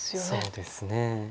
そうですね。